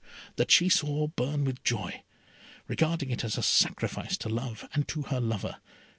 That she saw burn with joy, regarding it as a sacrifice to love, and to her lover.